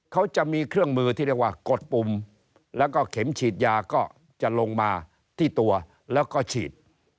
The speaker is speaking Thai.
เขาจะมีเครื่องมือที่เรียกว่ากดปุ่มแล้วก็เข็มฉีดยาก็จะลงมาที่ตัวแล้วก็ฉีด